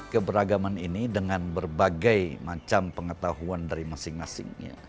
keberagaman ini dengan berbagai macam pengetahuan dari masing masing